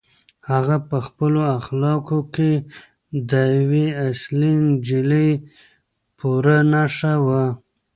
هغه په خپلو اخلاقو کې د یوې اصیلې نجلۍ پوره نښه وه.